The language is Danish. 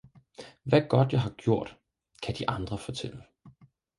Hvad godt jeg har gjort, kan de andre fortælle!